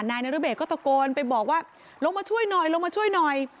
นายนรเบศก็ตะโกนไปบอกว่าลงมาช่วยหน่อยลงมาช่วยหน่อย